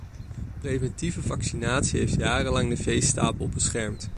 Preventieve vaccinatie heeft jarenlang de veestapel beschermd.